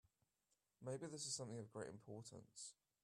Maybe this is something of great importance.